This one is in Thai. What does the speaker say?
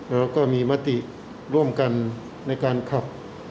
แล้วก็มีมติร่วมกันในการขับ